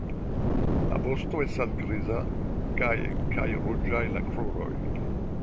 La vosto estas griza kaj kaj ruĝaj la kruroj.